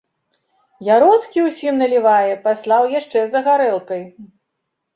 Яроцкі ўсім налівае, паслаў яшчэ за гарэлкай.